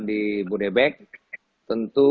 di bodebek tentu